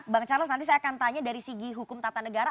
bang charles nanti saya akan tanya dari segi hukum tata negara